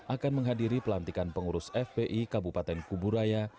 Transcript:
akan menghadiri pelantikan pengurus fpi kabupaten kuburaya